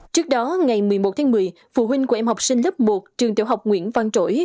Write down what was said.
trước đó ngày một mươi một tháng một mươi phụ huynh của em học sinh lớp một trường tiểu học nguyễn văn trỗi